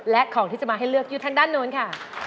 และของที่จะมาให้เลือกอยู่ทางด้านโน้นค่ะ